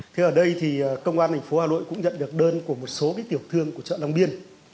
thế ở đây thì công an tp hà nội cũng nhận được đơn của một số tiểu thương của chợ long biên